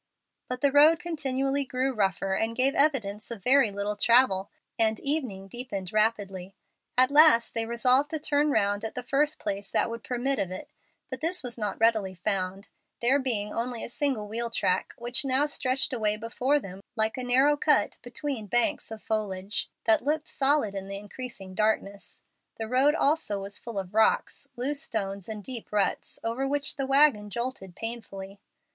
But the road continually grew rougher and gave evidence of very little travel, and the evening deepened rapidly. At last they resolved to turn round at the first place that would permit of it, but this was not readily found, there being only a single wheel track, which now stretched away before them like a narrow cut between banks of foliage, that looked solid in the increasing darkness; the road also was full of rocks, loose stones, and deep ruts, over which the wagon jolted painfully.